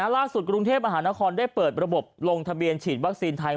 ล่าสุดกรุงเทพฯอาหาราคมได้เปิดระบบลงทะเบียนฉีดวัคซีนไทย